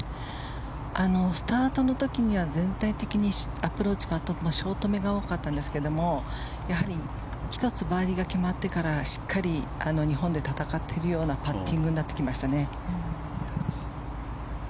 スタートの時には全体的にアプローチ、パットショートめが多かったんですけれども１つバーディーが決まってからしっかり日本で戦っているようなパッティングになってきましたね。